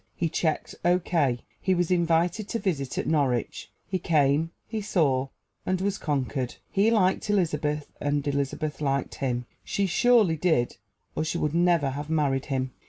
He checked O.K. He was invited to visit at Norwich; he came, he saw, and was conquered. He liked Elizabeth, and Elizabeth liked him she surely did or she would never have married him.